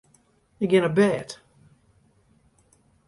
Ik gean op bêd.